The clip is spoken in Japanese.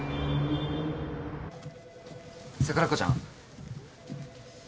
桜子ちゃん。